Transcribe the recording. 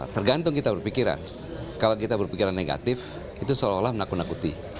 tergantung kita berpikiran kalau kita berpikiran negatif itu seolah olah menakut nakuti